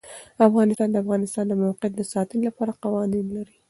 افغانستان د د افغانستان د موقعیت د ساتنې لپاره قوانین لري.